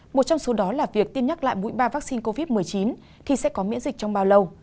một trong số đó là việc tiêm nhắc lại mũi ba vaccine covid một mươi chín thì sẽ có miễn dịch trong bao lâu